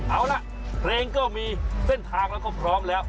เอาล่ะเพลงก็มีเส้นทางแล้วก็พร้อมแล้ว